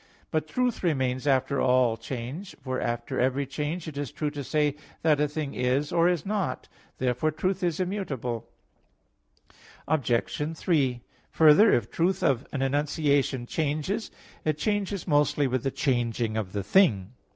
But truth remains after all change; for after every change it is true to say that a thing is, or is not. Therefore truth is immutable. Obj. 3: Further, if the truth of an enunciation changes, it changes mostly with the changing of the thing.